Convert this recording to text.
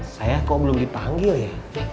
saya kok belum dipanggil ya